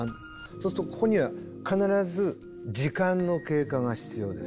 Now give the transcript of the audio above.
そうするとここには必ず時間の経過が必要です。